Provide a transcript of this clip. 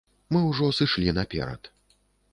Мы ўжо сышлі наперад.